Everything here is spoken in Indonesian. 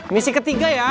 misi ketiga ya